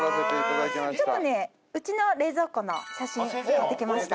ちょっとねうちの冷蔵庫の写真持ってきました